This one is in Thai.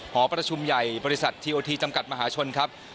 หอประชุมใหญ่บริษัททีโอทีจำกัดมหาชนครับ